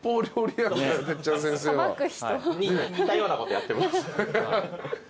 似たようなことやってます。